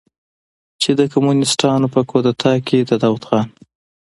چې د کمونستانو په کودتا کې د داؤد خان